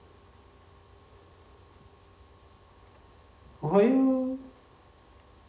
おはよう。